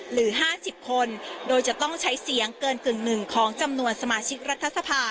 หรือ๕๐คนโดยจะต้องใช้เสียงเกินกึ่งหนึ่งของจำนวนสมาชิกรัฐสภา